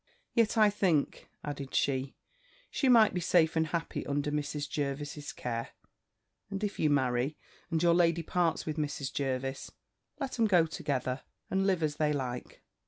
Yet I think,' added she, 'she might be safe and happy under Mrs. Jervis's care; and if you marry, and your lady parts with Mrs. Jervis, let 'em go together, and live as they like.